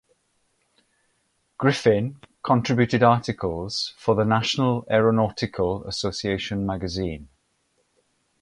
Griffin contributed articles for the National Aeronautical Association Magazine.